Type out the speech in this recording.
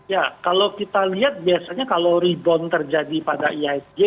ya kalau kita lihat biasanya kalau rebound terjadi pada ihsg